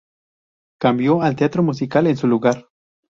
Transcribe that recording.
Cambió al teatro musical en su lugar.